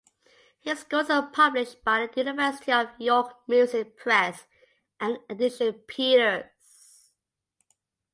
His scores are published by the University of York Music Press and Edition Peters.